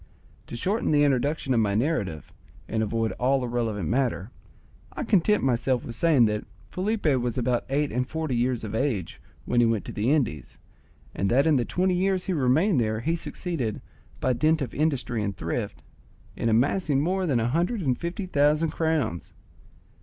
To shorten the introduction of my narrative and avoid all irrelevant matter, I content myself with saying that Felipe was about eight and forty years of age when he went to the Indies, and that in the twenty years he remained there he succeeded, by dint of industry and thrift, in amassing more than a hundred and fifty thousand crowns.